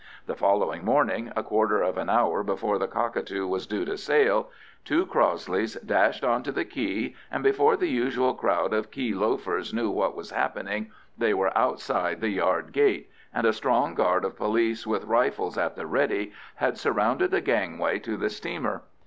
The following morning, a quarter of an hour before the Cockatoo was due to sail, two Crossleys dashed on to the quay, and before the usual crowd of quay loafers knew what was happening, they were outside the yard gate, and a strong guard of police with rifles at the ready had surrounded the gangway to the steamer.